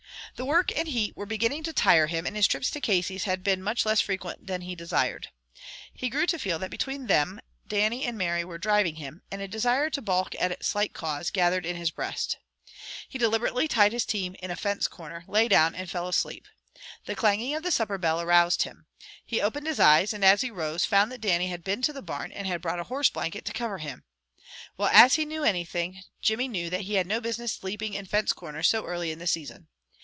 The work and heat were beginning to tire him, and his trips to Casey's had been much less frequent than he desired. He grew to feel that between them Dannie and Mary were driving him, and a desire to balk at slight cause, gathered in his breast. He deliberately tied his team in a fence corner, lay down, and fell asleep. The clanging of the supper bell aroused him. He opened his eyes, and as he rose, found that Dannie had been to the barn, and brought a horse blanket to cover him. Well as he knew anything, Jimmy knew that he had no business sleeping in fence corners so early in the season.